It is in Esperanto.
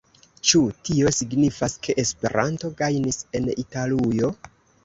Ĉu tio signifas, ke Esperanto gajnis en Italujo?